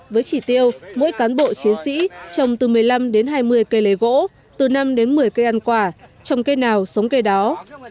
với chỉ tiêu mỗi cán bộ chiến sĩ trồng từ một mươi năm đến hai mươi cây lấy gỗ từ năm đến một mươi cây ăn quả trồng cây nào sống cây đó